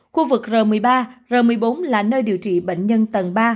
khu vực r một mươi ba r một mươi bốn là nơi điều trị bệnh nhân tầng ba